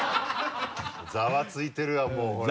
ざわついてるわもうほら。